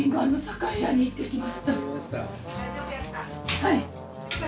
はい。